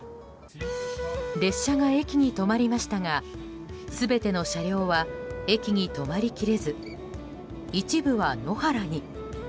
列車が駅に止まりましたが全ての車両は駅に止まりきれず一部は野原に。